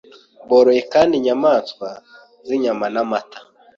Boroye kandi inyamaswa zinyama n'amata.